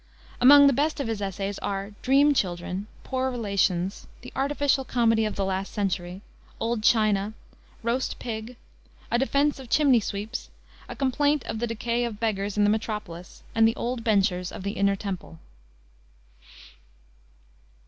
Among the best of his essays are Dream Children, Poor Relations, The Artificial Comedy of the Last Century, Old China, Roast Pig, A Defense of Chimney sweeps, A Complaint of the Decay of Beggars in the Metropolis, and The Old Benchers of the Inner Temple.